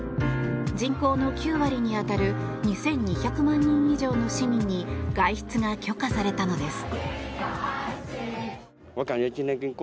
人口の９割に当たる２２００万人以上の市民に外出が許可されたのです。